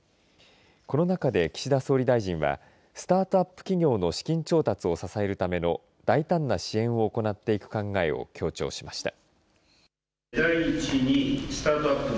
この中で岸田総理大臣はスタートアップ企業の資金調達を支えるための大胆な支援を行っていく考えを強調しました。